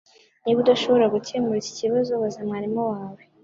Niba udashobora gukemura iki kibazo, baza mwarimu wawe.